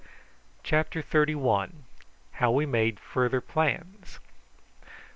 CHAPTER THIRTY ONE. HOW WE MADE FURTHER PLANS.